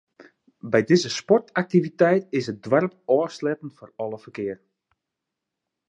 By dizze sportaktiviteit is it doarp ôfsletten foar alle ferkear.